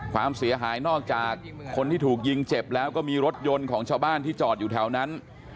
ความเสียหายนอกจากคนที่ถูกยิงเจ็บแล้วก็มีรถยนต์ของชาวบ้านที่จอดอยู่แถวนั้น